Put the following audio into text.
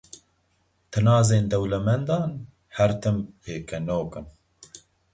Tinazên dewlemendan, her tim pêkenok in.